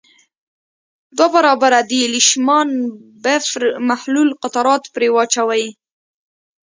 دوه برابره د لیشمان بفر محلول قطرات پرې واچوئ.